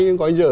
nó có cái dở